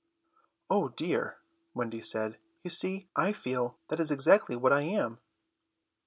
"Oh dear!" Wendy said, "you see, I feel that is exactly what I am."